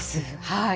はい。